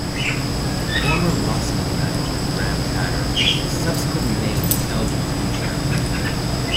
Former Lossiemouth manager Graham Tatters was subsequently named as Elgin's new chairman.